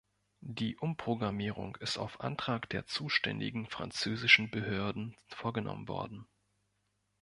Die Umprogrammierung ist auf Antrag der zuständigen französischen Behörden vorgenommen worden.